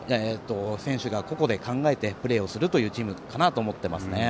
選手が個々で考えてプレーするチームかなと思っています。